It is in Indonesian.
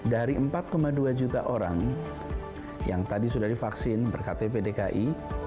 dari empat dua juta orang yang tadi sudah divaksin berktp dki